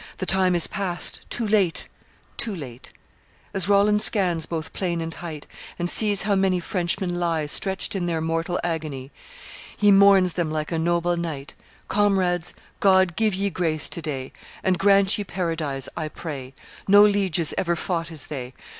The time is past; too late! too late! As Roland scans both plain and height, And sees how many Frenchmen lie Stretched in their mortal agony, He mourns them like a noble knight: 'Comrades, God give ye grace to day, And grant ye Paradise, I pray! No lieges ever fought as they.